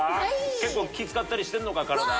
結構、気遣ったりしてるのか、体は。